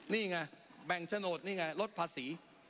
นี่ไงแบ่งโฉนดนี่ไงลดภาษี